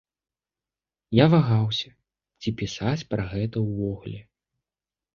Я вагаўся, ці пісаць пра гэта ўвогуле.